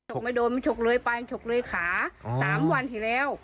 โชกไม่โดนมันโชกเลยไปมันโชกเลยขาสามวันทีแล้ว